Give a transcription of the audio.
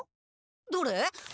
どれ？